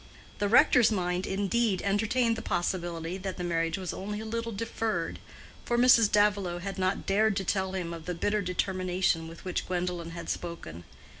The rector's mind, indeed, entertained the possibility that the marriage was only a little deferred, for Mrs. Davilow had not dared to tell him of the bitter determination with which Gwendolen had spoken.